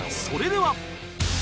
それでは